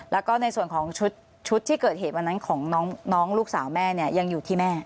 แล้วก็ในส่วนของชุดที่เกิดเหตุวันนั้นของน้องลูกสาวแม่เนี่ยยังอยู่ที่แม่